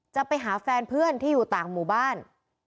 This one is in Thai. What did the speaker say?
จะไปหาแฟนเพื่อนที่อยู่ต่างหมู่บ้าน